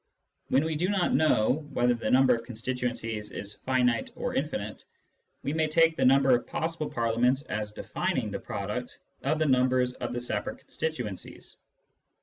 When we do not know whether the number of constituencies is finite or infinite, we may take the number of possible Parliaments as defining the product of the numbers of the separate constituencies.